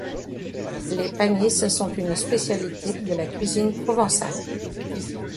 Les panisses sont une spécialité de la cuisine provençale.